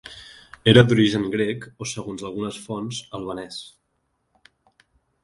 Era d'origen grec o segons algunes fonts albanès.